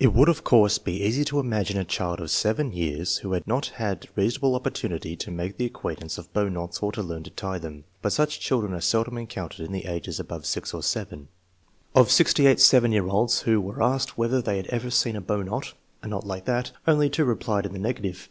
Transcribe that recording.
It would, of course, be easy to imagine a child of 7 years who had not had reasonable opportunity to make the acquaintance of bow knots or to learn to tie them. But such children are seldom encountered in the ages above 6 or 7. Of 68 7 year olds who were asked whether they had ever seen a bow knot (" a knot like that ") only two replied in the negative.